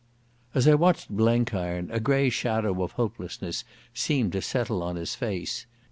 As I watched Blenkiron a grey shadow of hopelessness seemed to settle on his face.